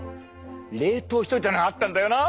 冷凍しといたのがあったんだよな。